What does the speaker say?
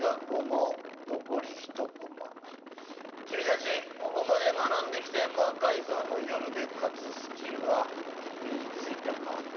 君たちここまで学んできて「魔改造の夜」で勝つスキルは身についたか？